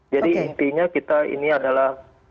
jadi intinya kita ini adalah